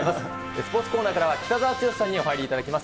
スポーツコーナーからは、北澤剛さんにお入りいただきます。